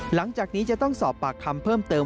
หลังจากนี้จะต้องสอบปากคำเพิ่มเติม